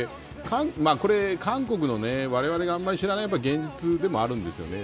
これ韓国の、われわれがあまり知らない現実でもあるんですよね。